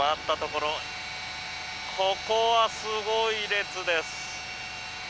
ここはすごい列です。